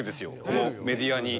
このメディアに。